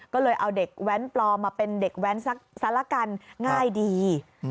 ก็เลยเอาเด็กแว้นปลอมมาเป็นเด็กแว้นซะละกันง่ายดี